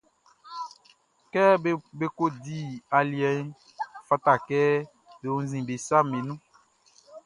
Kɛ be ko di aliɛʼn, ɔ fata kɛ be wunnzin be saʼm be nun.